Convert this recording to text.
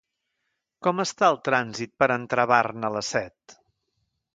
Com està el trànsit per entrar a Barna a les set?